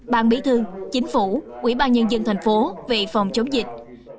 ban bí thư chính phủ quỹ ban nhân dân thành phố về phòng chống dịch